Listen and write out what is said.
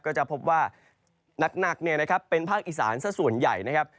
ก็จะพบว่าหนักเป็นภาคอีสานสักส่วนใหญ่นะครับ